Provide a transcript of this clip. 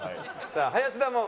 さあ林田も。